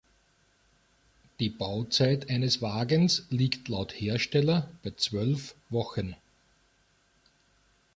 Die Bauzeit eines Wagens liegt laut Hersteller bei zwölf Wochen.